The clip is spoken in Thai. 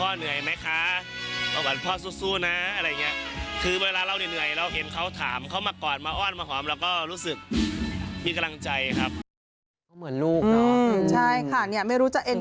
เหมือนลูกเนาะไม่รู้จะเอ็นดูครับ